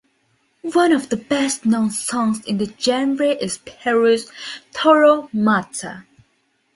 One of the best known songs in the genre is Peru's "Toro Mata".